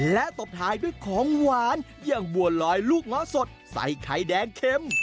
และตบท้ายด้วยของหวานอย่างบัวลอยลูกง้อสดใส่ไข่แดงเข็ม